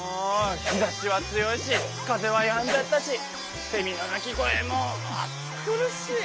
日ざしは強いし風はやんじゃったしせみの鳴き声も暑苦しい！